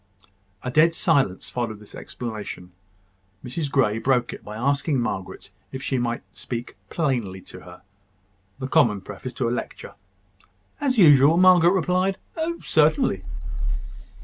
A dead silence followed this explanation. Mrs Grey broke it by asking Margaret if she might speak plainly to her the common preface to a lecture. As usual, Margaret replied, "Oh! certainly."